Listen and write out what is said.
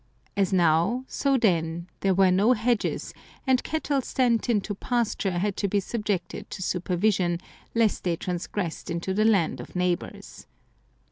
As now, so then, there were no hedges, and cattle sent into pasture had to be subjected to supervision lest they transgressed into the land of neighbours.